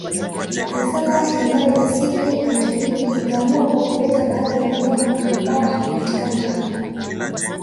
wizara ya mali asili na utalii ikaamua kuwapeleka baadhi ya wanyama ambao hawapatikani hapo